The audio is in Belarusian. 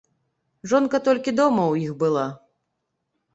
Жонка толькі дома ў іх была.